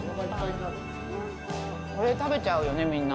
これ、食べちゃうよね、みんな。